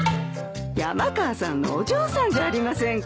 山川さんのお嬢さんじゃありませんか。